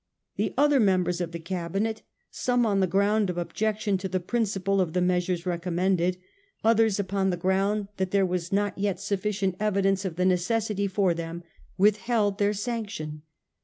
The other members of the Cabinet, some on the ground of ob jection to the principle of the measures recommended, others upon the ground that there was not yet suffi cient evidence of the necessity for them, withheld their sanction.